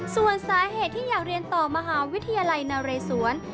ส่วนสาเหตุที่อยากเรียนต่อมหาวิทยาลัยนาเรศวร